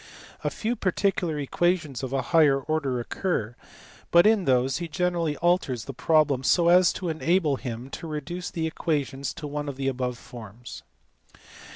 A few particular equations of a higher order occur, but in these he generally alters the pro blem so as to enable him to reduce the equation to one of the above forms.